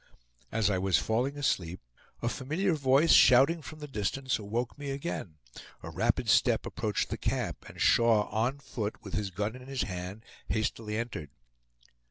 As I was falling asleep, a familiar voice, shouting from the distance, awoke me again. A rapid step approached the camp, and Shaw on foot, with his gun in his hand, hastily entered.